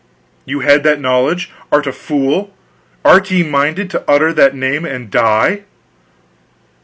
"You had that knowledge! Art a fool? Are ye minded to utter that name and die?"